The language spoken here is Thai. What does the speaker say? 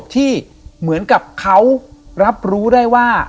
ที่เหมือนกับเขารับรู้ได้ว่า